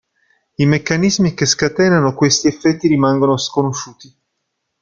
I meccanismi che scatenano questi effetti rimangono sconosciuti.